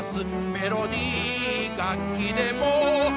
メロディー楽器でもあります